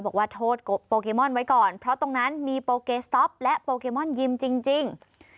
บอกว่าโทษโปเกมอนไว้ก่อนเพราะตรงนั้นมีโปเกสต๊อปและโปเกมอนยิมจริง